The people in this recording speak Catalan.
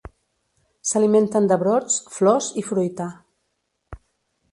S'alimenten de brots, flors i fruita.